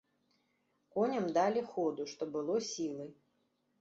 Коням далі ходу што было сілы.